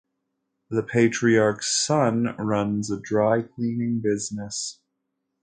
The patriarch's son runs a dry-cleaning business.